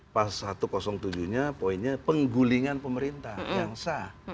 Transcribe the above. pasal satu ratus tujuh nya poinnya penggulingan pemerintah yang sah